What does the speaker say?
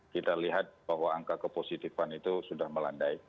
kita lihat bahwa angka kepositifan itu sudah melandai